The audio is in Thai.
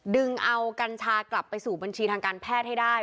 ดึงเอากัญชากลับไปสู่บัญชีทางการแพทย์ให้ได้